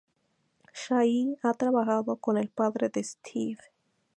Shahi ha trabajado con el padre de Steve.